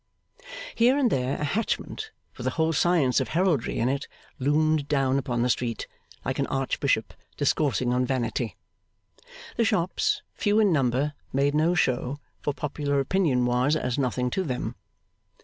Here and there a Hatchment, with the whole science of Heraldry in it, loomed down upon the street, like an Archbishop discoursing on Vanity. The shops, few in number, made no show; for popular opinion was as nothing to them.